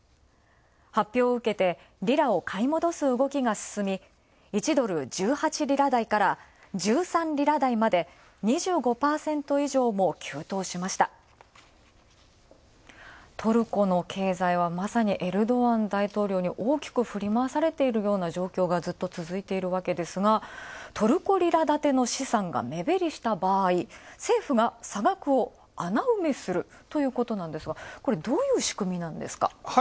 発表を受けて、リラを買い戻す動きが進み、１ドル１８リラ台から、１３リラ台までトルコの経済は、まさにエルドアン大統領に大きく振り回されてる状況が、ずっと続いてるわけですがトルコ、リラ建ての資産が目減りした場合、政府が差額を穴埋めするということなんですが、これ、どういう仕組みなんですか？